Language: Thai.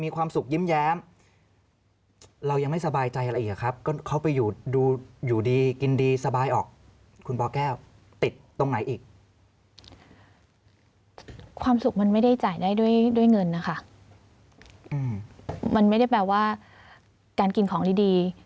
ความสุขมันไม่ได้จ่ายได้ด้วยด้วยเงินนะคะอืมมันไม่ได้แปลว่าการกินของดีดี